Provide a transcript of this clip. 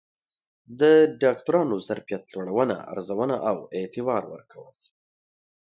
د ډاکترانو ظرفیت لوړونه، ارزونه او اعتبار ورکول